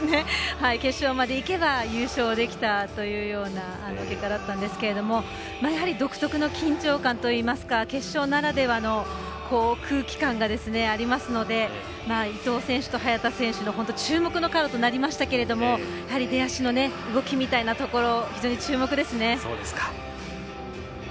決勝までいけば優勝できたというような結果だったんですけれどもやはり独特の緊張感といいますか決勝ならではの空気感がありますので伊藤選手と早田選手の注目のカードとなりましたけど出足の動きみたいなところ非常に注目ですね。